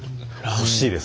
惜しいです！